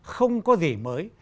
không có gì mới